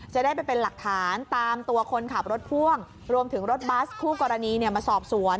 จะได้ไปเป็นหลักฐานตามตัวคนขับรถพ่วงรวมถึงรถบัสคู่กรณีมาสอบสวน